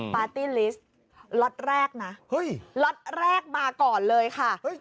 ปาร์ตี้ลิสต์ล็อตแรกนะเฮ้ยล็อตแรกมาก่อนเลยค่ะ